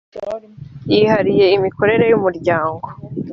yihariye imikorere y’ umuryango .